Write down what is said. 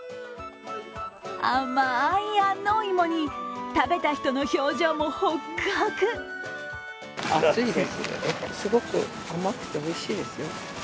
甘い安納芋に食べた人の表情もほっくほく。